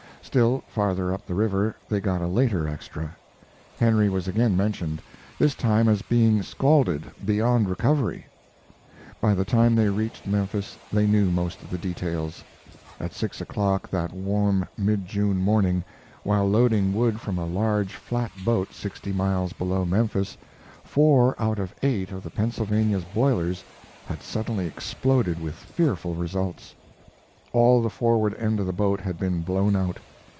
Still farther up the river they got a later extra. Henry was again mentioned; this time as being scalded beyond recovery. By the time they reached Memphis they knew most of the details: At six o'clock that warm mid June morning, while loading wood from a large flat boat sixty miles below Memphis, four out of eight of the Pennsylvania's boilers had suddenly exploded with fearful results. All the forward end of the boat had been blown out.